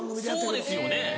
そうですよね。